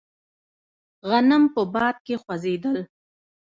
غنم په باد کې خوځېدل.